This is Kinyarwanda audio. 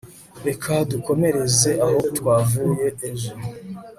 reka dukomereze aho twavuye ejo